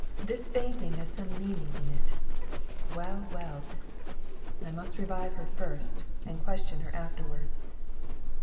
This fainting has some mean ing in it Well, well I I must revive her first and question her afterwards."